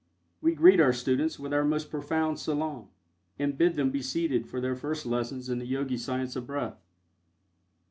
We greet our students, with our most profound salaam, and bid them be seated for their first lessons in the Yogi Science of Breath.